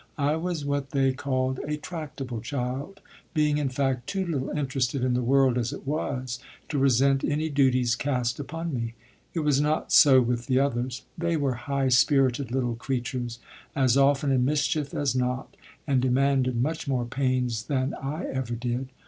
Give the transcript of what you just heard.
I was what they call a tractable child, being, in fact, too little interested in the world as it was to resent any duties cast upon me. It was not so with the others. They were high spirited little creatures, as often in mischief as not, and demanded much more pains then I ever did.